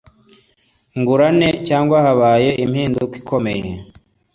Ngurane cyangwa habaye impinduka ikomeye